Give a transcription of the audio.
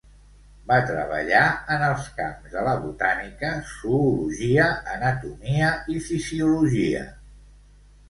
Va treballar en els camps de la botànica, zoologia, anatomia i fisiologia.